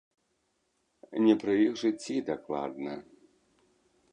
Не пры іх жыцці дакладна.